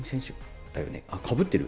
かぶってる？